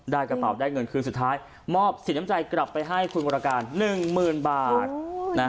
กระเป๋าได้เงินคืนสุดท้ายมอบสินน้ำใจกลับไปให้คุณวรการ๑๐๐๐บาท